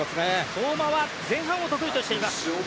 相馬は前半を得意としています。